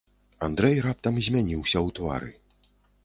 Андрэй раптам змяніўся ў твары.